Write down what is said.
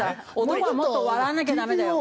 男はもっと笑わなきゃダメだよ。